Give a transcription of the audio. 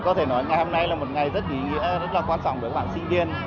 có thể nói ngày hôm nay là một ngày rất ý nghĩa rất là quan trọng với các bạn sinh viên